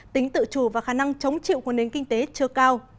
tính tự chủ và khả năng chống chịu của nền kinh tế chưa cao